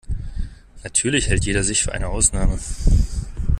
Natürlich hält jeder sich für eine Ausnahme.